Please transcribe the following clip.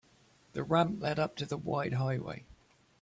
The ramp led up to the wide highway.